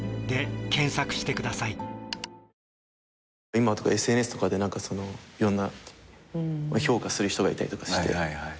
今ＳＮＳとかでいろんな評価する人がいたりとかして。